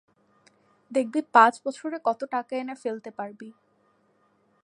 দেখবি পাঁচ বছরে কত টাকা এনে ফেলতে পারবি।